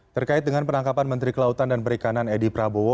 terkait dengan penangkapan menteri kelautan dan perikanan edi prabowo